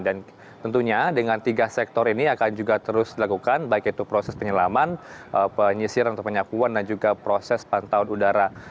dan tentunya dengan tiga sektor ini akan juga terus dilakukan baik itu proses penyelaman penyisiran atau penyakuan dan juga proses pantauan udara